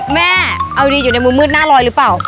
แม่เอาดีอยู่ในมุมมืดหน้าลอยหรือเปล่า